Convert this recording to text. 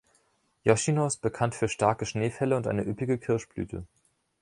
„Yoshino“ ist bekannt für starke Schneefälle und eine üppige Kirschblüte.